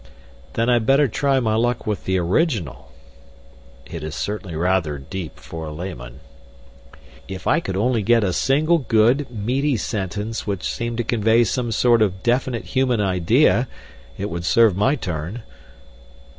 "Then I'd better try my luck with the original." "It is certainly rather deep for a layman." "If I could only get a single good, meaty sentence which seemed to convey some sort of definite human idea, it would serve my turn.